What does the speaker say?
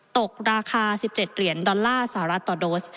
ตกราคา๑๗เหรียญดอลลาร์สหรัฐต่อโดส